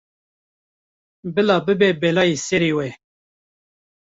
Bila bibe belayê serê we.